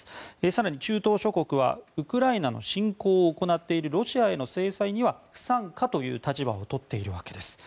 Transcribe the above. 更に中東諸国はウクライナの侵攻を行っているロシアへの制裁には不参加という立場をとっているわけです。